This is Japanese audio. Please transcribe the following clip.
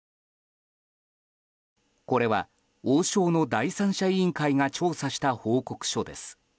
これは王将の第三者委員会が調査した報告書です。